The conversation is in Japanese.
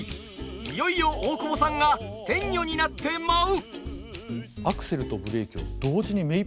いよいよ大久保さんが天女になって舞う。